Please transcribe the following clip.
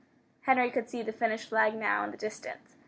Henry could see the finish flag now in the distance.